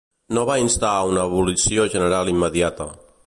No va instar a una abolició general immediata.